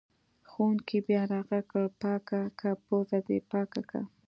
ښوونکي بیا راغږ کړ: پاکه که پوزه دې پاکه که!